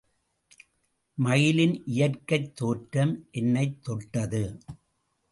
மயிலின் இயற்கைத் தோற்றம் என்னைத் தொட்டது.